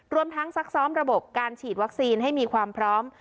รวมทั้งซักซ้อมระบบการฉีดวัคซีนให้มีความพร้อม